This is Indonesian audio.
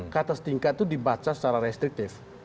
kata setingkat itu dibaca secara restriktif